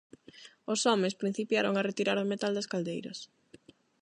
Os homes principiaron a retirar o metal das caldeiras.